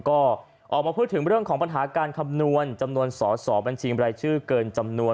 ก็ออกมาพูดถึงเรื่องของปัญหาการคำนวณจำนวนสอสอบัญชีบรายชื่อเกินจำนวน